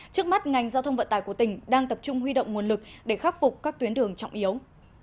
trước mắt ngành giao thông vận tải của tỉnh đang tập trung huy động nguồn lực để khắc phục các tuyến đường trọng yếu